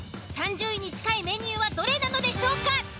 ３０位に近いメニューはどれなのでしょうか。